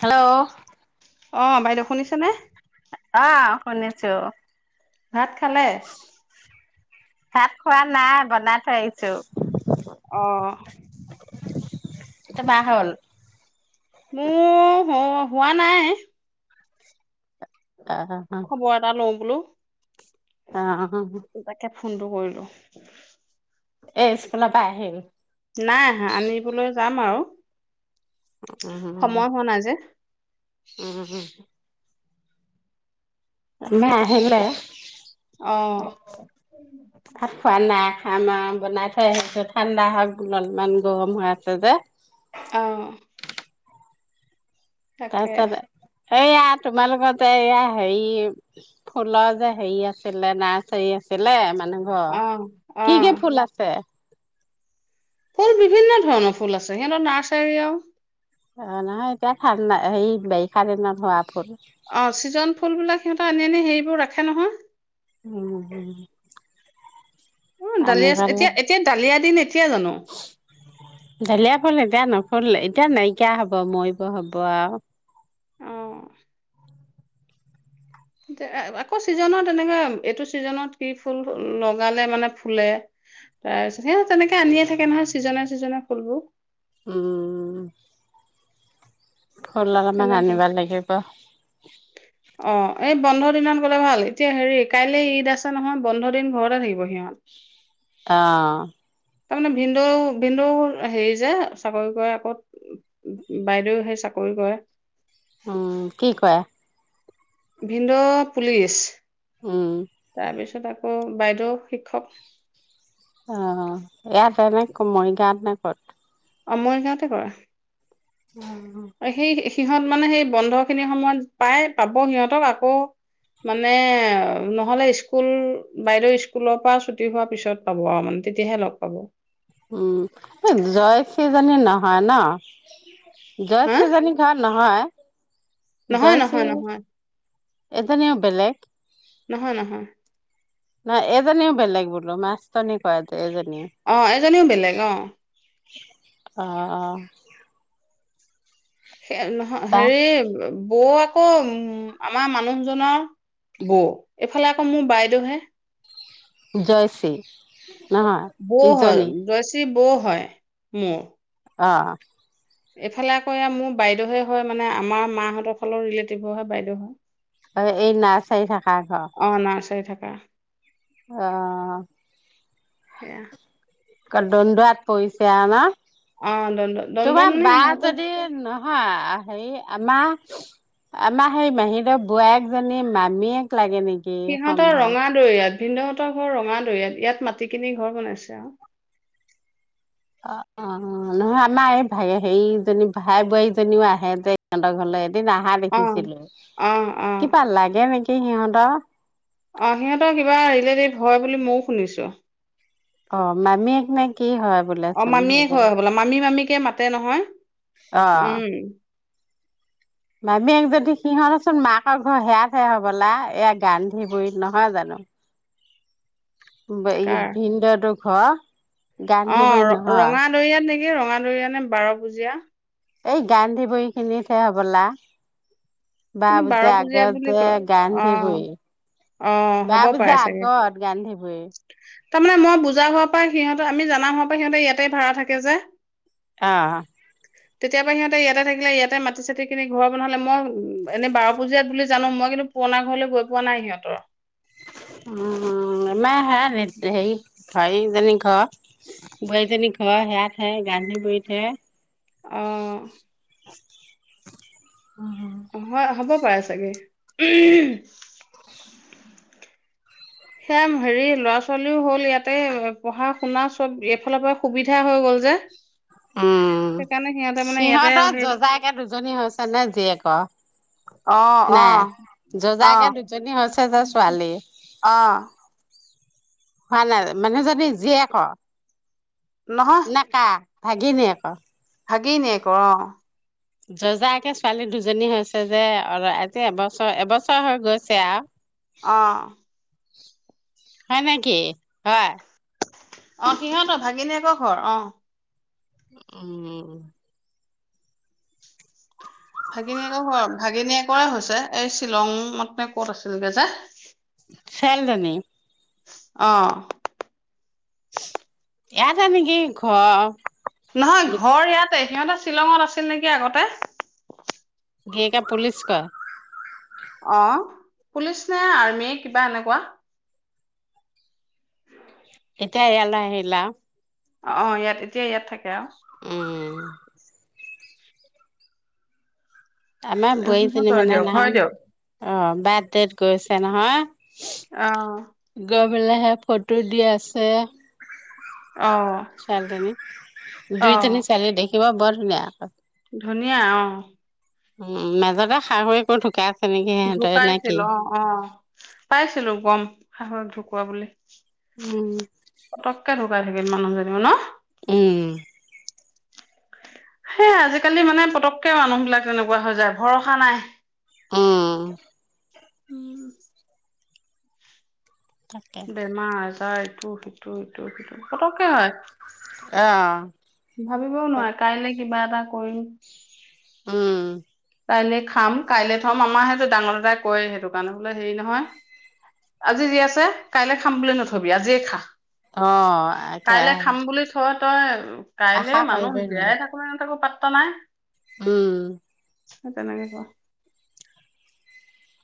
Hello. অ', বাইদেউ শুনিছেনে? অ', শুনিছো। ভাত খালে? ভাত খোৱা নাই, বনাই থৈ আহিছো। অহ। তোমাৰ হ'ল? মোৰ হো হোৱা নাই। আহ খবৰ এটা লওঁ বোলো। অহ, অহ। তাকে ফোনটো কৰিলো। এই ইস্কুলৰ পৰা আহিল? নাই আহা আনিবলৈ যাম আৰু। সময় হোৱা নাই যে। উম, উম। আমাৰ আহিলে। অ [inaudible] খোৱাানা খামা বনাই থৈ আহিছো ঠাণ্ডা হওক [unintelligible] অলপমান গৰম হৈ আছে যে- অ তাকে- তাৰপিছত এইয়া তোমালোকতে এয়া হেৰিৰ, ফুলৰ যে হেৰি আছিলে, নাৰ্চাৰী আছিলে মান- নাংঘ- অ অ কি কি ফুল আছে? ফুল বিভিন্ন ধৰণৰ ফুল আছ সিঁহতৰ নাৰ্চাৰী আৰু। অ', নাই এতিয়া ঠাণ্ডা, হেৰী বাৰিষা দিনত হোৱা ফুল। মোৰ ৰাক্ষে নহয়। উম উম আমি দালিয়াছ ভাল এতিয়া এতিয়েন্ ডালিয়া দিনে- থিয়ে জানো? ফল এতিয়া নফলে এতিয়া নাইকিয়া হ'ব মইৱ হ'ব আৰু- অ তেএ-আকৌ ছিজনত এনেকে, এইটো ছিজনত কি ফুল লগালে মানে ফুলে? তাৰছিঅত তেনেকে আনিয়ে থাকে নহয় ছিজনে ছিজনে ফুলবোৰ- উম- ফুল অলপমান তেনেকে আনিব লাগিব- চুন অ' এই বন্ধ দিনত গ'লে ভাল। এতিয়া হেৰি- কাইলে ঈদ আছে নহয় বন্ধ দিন ঘৰতে থাকিব সিহঁত। অহ তাৰমানে ভিন্দৌ ভিন্দৌৰ হেৰি যে চাকৰি কৰে আকৌ উম উম উম বাইদেউ হেই চাকৰি কৰে। উম কি কৰে? ভিন্দৌ পুলিচ। উম তাৰপিছ- তাত আকৌ বাইদেউ শিক্ষক। অ'-অ'- ইয়াত ফৰমাই ক-মৰিগাঁৱত নে- সথ্- অমই গাঁৱতেই কৰা। অহ্- সিহঁত মানে সেই বন্ধ খিনিৰ সময়ত পাই-পাব সিহঁতক আকৌ মানে নহলে স্কুল বাইদেউ স্কুলৰ পৰা ছুটি হোৱাৰ পিছত পাব আৰু মানে তেতিয়াহে লগ পাব। উম- এই জয়শ্ৰীজনী নহয় ন? জয়শ্ৰীজনী ঘৰত নহয়? নহয়-নহয়-নহয়- এতনিও বেলেগ? নহয়, নহয়। নহয় এজনীও বেলেগ বোলো মাষ্টৰনি কৰে এজনী- অ' এজনীও বেলেগ অ'- অ', অ' সে নহয় তা হেৰি [unintelligible] বৌ আকৌ উম আমাৰ মানুহজনৰ বৌ এইফালে আকৌ মোৰ বাইদেউহে জয়শ্ৰী! নহয় বৌ হয় ইজনী জয়শ্ৰী বৌ হয় মোৰ অ' এইফালে আকৌ এয়া মোৰ বাইদেউহে হয় মানে আমাৰ মাহঁতৰ ফালৰ ৰিলেটিভো হয় বাইদেউ হয় অ', এই নাৰ্চাৰী থাকা ঘৰ অহ' অ' সেয়া। দণ্ডোৱাত পৰিছে ন' অ', দণ্ড দণ্ডত তোমাৰ মানে বা সিহঁতৰ যদি নহয় হেৰি আমাৰ আমাৰ সেই মাহীদেউৰ বোৱাৰেকজনী মামীয়েক লাগে নেকি! সিহঁতৰ সম্ভৱ ৰঙাদৈয়াত ভিনদেউহঁতৰ ঘৰ ৰঙাদৈয়াত, ইয়াত মাটি কিনি ঘৰ বনাইছে আৰু অ', অ', নহয়, আমাৰ এই, হেৰিজনী ভাই বোৱাৰীজনীও আহে যে সিহঁতৰ ঘৰলে দিন আহা অ', দেখিছিলো অ', অ'। কিবা লাগে নেকি [unintelligible] সিহঁতৰ অ', সিহঁতৰ কিবা ৰিলেটিভ হয় বুলি মও শুনিছো অ', মামীয়েক নে কি হয় অ', বোলেচোন মামীয়েক সেইজনী হ'বলা মামী মামী কে মাতে নহয় অ উম মামীয়েক যদি সিহঁতচোন মাকৰ ঘৰ সেয়াতহে হ'বলা এয়া গান্ধীগুৰিত নহয় জানো বে কাৰ ভিনদেউটোক হ অ', ৰ ৰঙাদৈয়াত নেকি ৰঙা দৰিয়া নে বাৰভুজীয়া এই গান্ধীবৰী খিনিতহে হ'বলা কিন্তু বাৰভুজীয়াৰ বাৰপূজীয়াত বুলি আগতে যে কয় অ গান্ধীবুৰী অ হ'ব পাৰে বাৰভুজীয়াৰ চাগে আগত গান্ধীবুৰী তাৰমানে মই বুজা হোৱাৰ পৰা সিহঁতৰ আমি জানা হোৱাৰ পৰা সিহঁতে ইয়াতেই ভাড়া থাকে যে আহ' তেতিয়া পৰা সিহঁতে ইয়াতে থাকিলে ইয়াতে মাটি-চাটি কিনি ঘৰ বনালে মই উম এনেই বাৰ পুজিয়াত বুলি জানো মই কিন্তু পুৰণা ঘৰলৈ গৈ পোৱা নাই সিহঁতৰ উম মই হে [unintelligible] হেৰি ভাইজনী ঘৰ বোৱাৰীজনীৰ ঘৰ সেয়াতহে গান্ধীবুৰীতহে অহ' উম পাই চাগে। সেয়া হেৰি ল'ৰা ছোৱালীও হ'ল ইয়াতে পঢ়া-শুনা চব এইফালৰ পৰাই সুবিধা হৈ গ'ল যে উম। সেইকাৰণে সিহঁতে মানে ইয়াতে সিহঁতৰ সেই যজাকে দুজনী হৈছে নে জীয়েকৰ। অ অ নাই, অ যজাকে দুজনী হৈছে যে ছোৱালী। অ হোৱা নাই মানুহজনী জীয়েক নেকা ভাগিনীয়েক। ভাগিনীয়েক অ। যজাকে ছোৱালী দুজনী হৈছে যে, অল আজি এবছ এবছ হৈ গৈছে আউ। অ। হয় নেকি? হয়। অ, সিহঁত ভাগিনীয়েক ঘৰ অ। উম। ভাগিনীয়েক ঘৰ ভাগিনীয়েকৰে হৈছে এই শ্বিলংত নে ক'ত আছিলগে যে চেল জনী। অ। এয়াতে নেকি? ঘ নহয় ঘৰ ইয়াত তে সিহঁতে শ্বিলঙত আছিল নেকি আগতে? গীয়েকে পুলিচ কয়। অ, পুলিচ নে আৰ্মিয়ে কিবা এনেকুৱা। এতিয়া এয়ালৈ আহিল আউ। অ, অ ইয়াত এতিয়া ইয়াত থাকে আউ। উম। আমা বোৱাই জেনী সিহঁতৰ মানে দিয়ক হয় নাহন, দিয়ক অ। বাৰ্থডেত গৈছে নহয়। অ'। বোলে হে ফটো দি আছে। অ', ছোৱালজনী, দুই জেনী অ', ছোৱালী দেখি- খিব বৰ ধুনীয়া আক'। ধুনীয়া অ। উম মাজতে শাহুয়েকো ঢুকাই ঢুকাইছিল অ, অ পাইছিলো গম শাহুয়েক ঢুক কোৱা বুলি। উম। পতককে ঢুকাই থাকিল মানুহজনীও ন? উম। সেই আজিকালি মানে পতককে মানুহ বিলাক তেনেকোৱা হৈ যায়, ভৰসা নাই। উম। উম তাকে বেমাৰ আজাৰ। ইটো সিটো ইটো সিটো সিটো সিটো পতকে হয়। অ ভাৱিবও নোৱা কাইলে কিবা এটা কৰিম উম। কাইলৈ খাম কাইলৈ থম আমাৰ সেইটো ডাঙৰ দাদাই কয় সেইটো কাৰণে বোলে হেৰি নহয় আজি যি আছে কাইলে খাম বুলি নথবি আজিয়ে খা। অ কাইলৈ একেৰাহে খাম বুলি থ তই কাইলে মানুহ জীয়াই থাকো নে নেথাকো পাত বৰ্তমান উম সে তেনেকে ক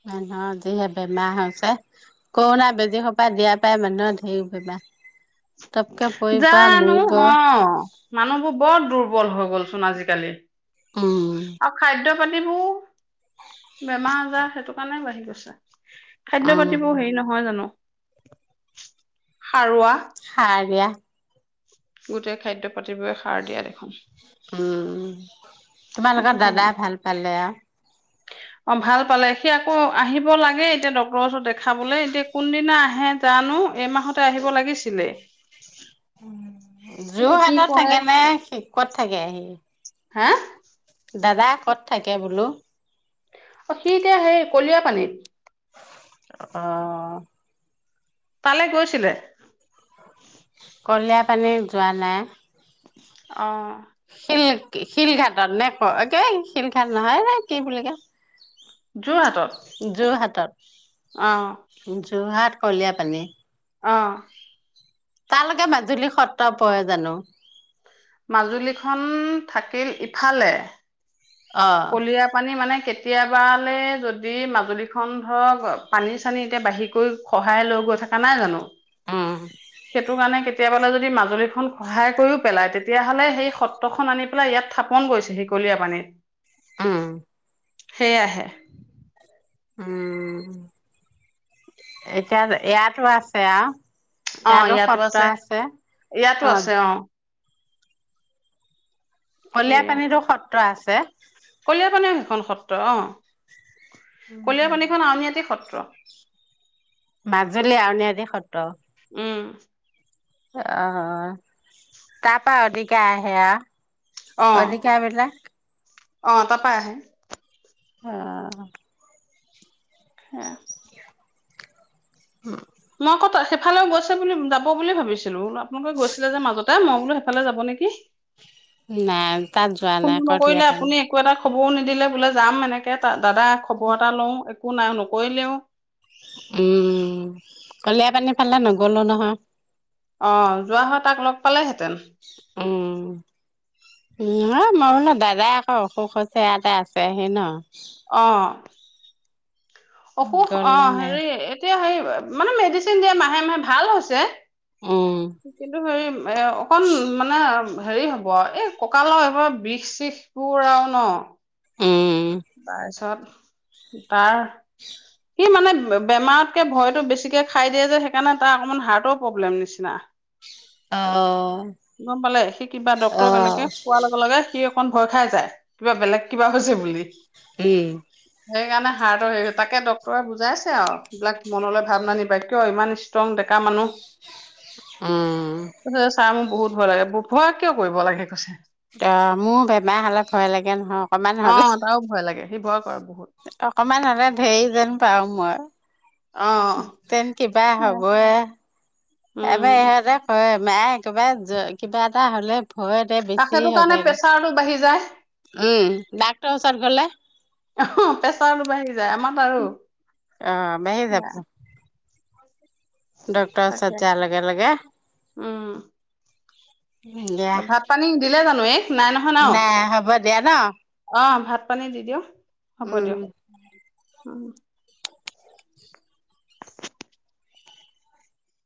মানুহৰ যিহে বেমাৰ হৈছে কৰোণা বেজী সোপা পৰা দিয়া পাই মানুহৰ ঢেৰ বেমাৰ। তপকে পৰিব জানো মৰিব অ মানুহবোৰ বৰ দুৰ্বল হৈ গ'লচোন আজিকালি উম আৰু খাদ্য ল'ৰা ছোৱালীবোৰ বেমাৰ আজাৰ সেইটো কাৰণে বাঢ়ি গৈছে। খাদ্য উম পাতিবোৰ হেৰি নহয় জানো। সাৰুৱা সাৰিয়া গোটেই খাদ্য পাতিবোৰে সাৰ দিয়া দেখোন। উম সেইটো তোমালোকৰ কাৰণে দাদাই ভাল পালে আও অ ভাল পালে সি আকৌ আহিব লাগে এতিয়া ডক্তৰৰ ওচৰত দেখাবলে এতিয়া কোনদিনা আহে জানো এইমাহতে আহিব লাগিছিলে। উম এতিয়া কি যোৰহাটত কৰে থাকে নে সি কত থাকে সি হে দাদা ক'ত থাকে বোলো? অ সি এতিয়া সেই কলিয়া পানীত। অহ। তালে গৈছিলে? কলিয়া পানীৰ যোৱা নাই। অ শিল শিলঘাটত নে কেই শিলঘাট নহয় ন কি বুলি কয় তোৰ হাতত অ যোৰহাত কলিয়াপানী। অ তালৈকে মাজুলী সত্ৰ পৰে জানো? মাজুলীখন থাকিল ইফালে অ কলিয়াপানী মানে কেত কেতিয়াবালৈ যদি মাজুলীখন ধৰক পানী-চানী এতিয়া বাঢ়ি কৈ খহাই লৈ গৈ থাকা নাই জানো? উম সেইটো কাৰণে কেত কেতিয়াবালে যদি মাজুলীখন সহাই কৰিও পেলাই তেতিয়াহ'লে সেই সত্ৰখন আনি পেলাই ইয়াত থাপন কৰিছে সি কলীয়াপানীত। উম। সেয়াহে। উম। এতিয়া ইয়াতো আছে আৰু। অ ইয়াতো আছে ইয়াতো আছে অ কলীয়াপানীতো সত ত্ৰ আছে। কলীয়াপানে সেইখন সত্ তই অহ। উম কলিয়াৰ হম পানীখন আউনআতি সত্ৰ ক মাজুলী আৰুন দি সত্ৰ উম অ' তাৰ পৰাা অধিকা আহে আহ অ'। অধিকো বেলাক অ' তাৰ পৰা ৰা আহে আহ হা উম মই ক সেইফালেও গৈছে বুলি যাব বুলি ভাবিছিলো আপোনালোকে গৈছিলে যে মাজতে মই বোলো সেইফালে যাব নেকি নাই তাত যোৱা নাই কল প খবৰও নিদিলে বোলে যাম এনেকৈ দাদা খবৰ এটা লওঁ, ক ন নকৈ লওঁ। উম কলিয় পানী ফালে নগলো নহয় অ' যোৱা হয় তাক লগ পালেহে মাতন উম উ মোৰ ন দাদাই আকৌ অসুখ আ হৈছে ইয়াতে আছে আহি ন অ' অসুখ অ গ'ল নে নাই হেৰি এতিয়া হে, মানে মেডিচিন দিয়া মাহে মাহে ভাল হৈছে উম কিন্তু হয়ান অকণ মানে হেৰি হ'ব এই ককালত বিষ শিষ তোৰ আউ ন উম বাৰ চব উ তাৰ সি মানে বেমাৰতকে ভয়তটো বেছিকে খাই দিয়ে যে সেইকাৰণে তাৰ অকমান হাৰ্টৰ প্ৰব্লেম নিচিনা অ গম পালে সি কিবা অ ডক্টৰ কেনেকে কোৱাৰ লগে লগে সি অকন ভয় খাই যায় কিবা বেলেগ কিবা হৈছে বুলি। উম সেইকাৰণে হাৰ্টৰ হেৰি তাকে ডক্তৰে বুজাইছে আৰু এইবলাক মনলৈ ভাব নানিবা কিয় ইমান ষ্ট্ৰং ডেকা উম মানুহ। ত চাম বহুত ভয় লাগে ভয় কিয় কৰিব লাগে কৈছে অ মোৰ বেমাৰ হলে ভয় লাগে নহয় অকমান অ হলে। তাৰো ভয় লাগে সি ভয় কৰ অকমান হলে ধেৰ যেন পাও মই অ তেন কিবা হ'ব এ এবাৰ উম এহঁতে ক মায় একেবাৰে কিবা এটা হ'লে হয় এতিয়া আৰু বেছি সেইটো হৈ কাৰণে যায়গ প্ৰেছাৰটো বাঢ়ি যায় উম ডাকটৰ ওচৰত গলে। যেযা আমাৰ বাৰু অ ডকটৰ চজ অলগা অলগে উম দিয়া ভাত পানী দিলে জানো এক নাই নহয় ন নাই হ'ব দিয়া ন অ ভাত তানে দিদও হ'ব দিয়। উম আহ